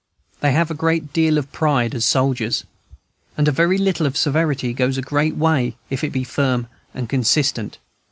They have a great deal of pride as soldiers, and a very little of severity goes a great way, if it be firm and consistent.